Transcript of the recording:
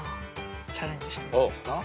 チャレンジしてもいいですか？